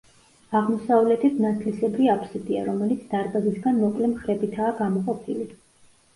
აღმოსავლეთით ნათლისებრი აფსიდია, რომელიც დარბაზისგან მოკლე მხრებითაა გამოყოფილი.